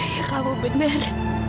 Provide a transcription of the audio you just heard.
ya kamu benar